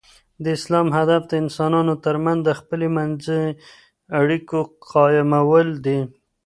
د اسلام هدف د انسانانو تر منځ د خپل منځي اړیکو قایمول دي.